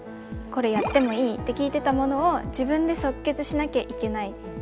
「これやってもいい？」って聞いてたものを自分で即決しなきゃいけない。